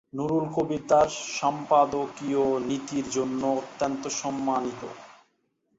নূরুল কবীর তার সম্পাদকীয় নীতির জন্য অত্যন্ত সম্মানিত।